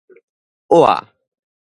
倚